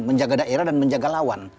menjaga daerah dan menjaga lawan